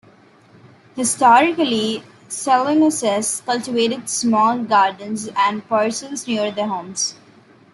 Historically, Saloenses cultivated small gardens and parcels near their homes.